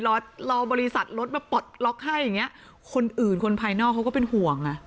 รอรอบริษัทรถมาปลดล็อกให้อย่างเงี้ยคนอื่นคนภายนอกเขาก็เป็นห่วงอ่ะ